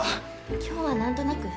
今日は何となく。